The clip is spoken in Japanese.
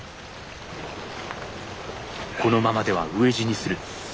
このままでは飢え死にする。